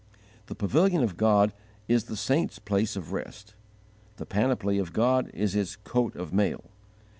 The pavilion of God is the saint's place of rest; the panoply of God is his coat of mail.